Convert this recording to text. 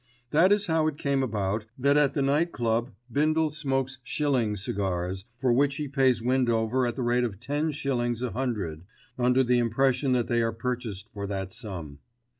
That is how it came about that at the Night Club Bindle smokes shilling cigars, for which he pays Windover at the rate of ten shillings a hundred, under the impression that they are purchased for that sum.